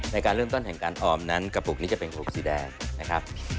ในการเริ่มต้นแห่งการออมนั้นกระปุกนี้จะเป็นกลุ่มสีแดงนะครับ